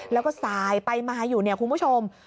แล้วก็สายไปมาอยู่เนี่ยคุณผู้ชม